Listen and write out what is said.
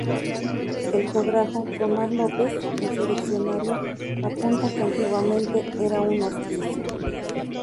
El geógrafo Tomás López, en su Diccionario, apunta que antiguamente era un hospicio.